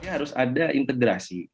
harus ada integrasi